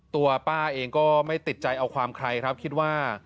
ตัวป้าเองก็ไม่ติดใจเอาความใครครับคิดว่า